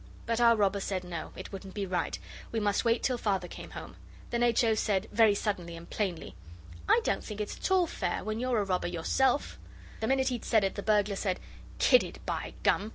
But our robber said no, it wouldn't be right; we must wait till Father came home. Then H. O. said, very suddenly and plainly: 'I don't think it's at all fair, when you're a robber yourself.' The minute he'd said it the burglar said, 'Kidded, by gum!